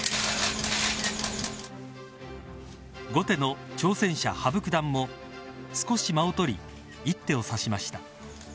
後手の挑戦者・羽生九段も少し間を取り一手を差しました。